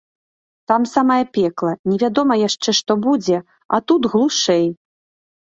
Там самае пекла, невядома яшчэ, што будзе, а тут глушэй.